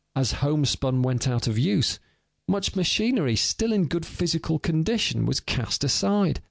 As homespun went out of use, much machinery still in good physical condition was cast aside.